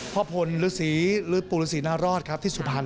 พลฤษีหรือปู่ฤษีนารอดครับที่สุพรรณ